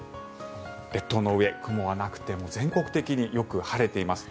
列島の上、雲がなくて全国的によく晴れています。